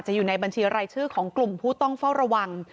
อยู่ในบัญชีรายชื่อของกลุ่มผู้ต้องเฝ้าระวัง